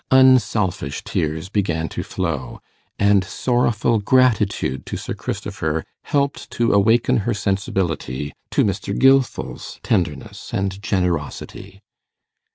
Unselfish tears began to flow, and sorrowful gratitude to Sir Christopher helped to awaken her sensibility to Mr. Gilfil's tenderness and generosity.